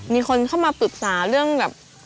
มีคนเข้ามาปรึกษาเรื่องแบบ